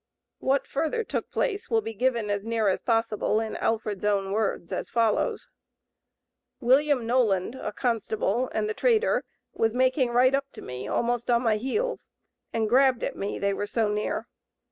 What further took place will be given, as nearly as possible, in Alfred's own words as follows: "William Noland (a constable), and the trader was making right up to me almost on my heels, and grabbed at me, they were so near.